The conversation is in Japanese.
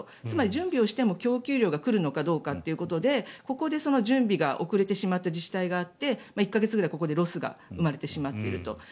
つまり、準備をしても供給量が来るのかどうかということでここで準備が遅れてしまった自治体があって１か月ぐらいここでロスが生まれてしまっていると。